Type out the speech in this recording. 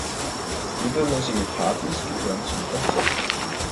Regelmäßige Partys gehören zum Konzept.